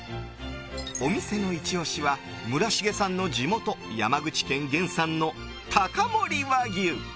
お店のイチ押しは村重さんの地元・山口県原産の高森和牛。